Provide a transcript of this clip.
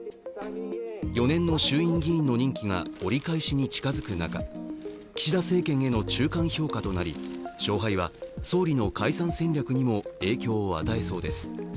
４年の衆院議員の任期が折り返しに近づく中岸田政権への中間評価となり勝敗は総理の解散戦略にも影響を与えそうです